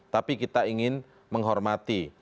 tapi kita ingin menghormati